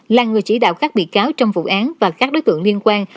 là người chỉ đạo các bị cáo trong vụ án và các đối tượng liên quan